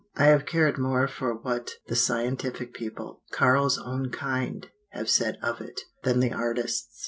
I have cared more for what the scientific people, Karl's own kind, have said of it, than the artists.